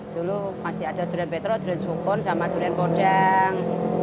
dulu masih ada durian petruk durian sukun dan durian kodang